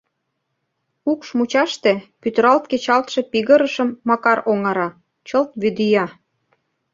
Укш мучаште пӱтыралт кечалтше пигырышым Макар оҥара, — чылт вӱдия!